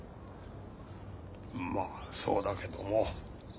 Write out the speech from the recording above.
まあそうだけども。